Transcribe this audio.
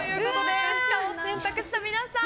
不可を選択した皆さん